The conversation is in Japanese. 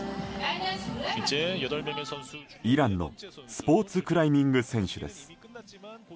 イランのスポーツクライミング選手です。